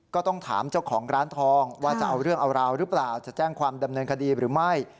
ก็ต้องถามเจ้าของร้านทองว่าจะเอาเรื่องเอาราวหรือเปล่าจะแจ้งความดำเนินคดีหรือไม่